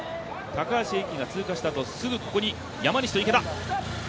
高橋英輝が通過した後すぐに、ここに山西と池田。